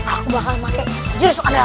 aku bakal pakai jenis kadang